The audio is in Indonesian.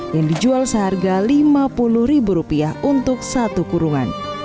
yang dijual seharga lima puluh ribu rupiah untuk satu kurungan